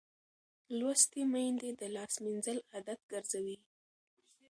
لوستې میندې د لاس مینځل عادت ګرځوي.